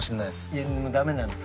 いやダメなんです。